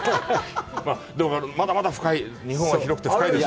まだまだ深い、日本は広くて深いです。